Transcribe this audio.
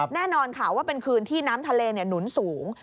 แน่นอนค่ะว่าเป็นคืนที่น้ำทะเลหนุนสูง